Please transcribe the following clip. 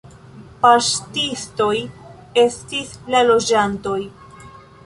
Paŝtistoj estis la loĝantoj.